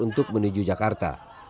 untuk menuju jakarta